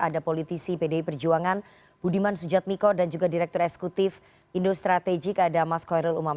ada politisi pdi perjuangan budiman sujatmiko dan juga direktur eksekutif indo strategik ada mas khoirul umam